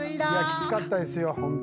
きつかったですよホント。